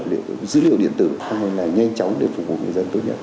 dữ liệu điện tử hay là nhanh chóng để phục vụ người dân tốt nhất